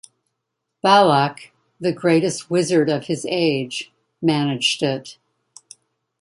Balak, the greatest wizard of his age, managed it.